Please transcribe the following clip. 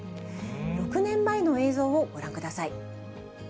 ６年前の映像をご覧ください。